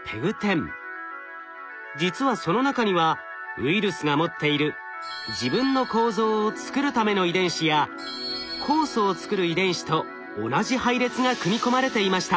実はその中にはウイルスが持っている自分の構造を作るための遺伝子や酵素を作る遺伝子と同じ配列が組み込まれていました。